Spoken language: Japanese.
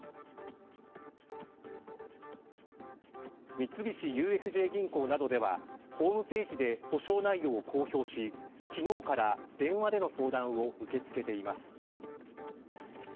三菱ＵＦＪ銀行などではホームページで補償内容を公表し昨日から電話での相談を受け付けています。